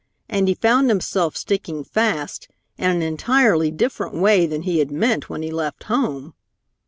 And he found himself sticking fast in an entirely different way than he had meant when he left home.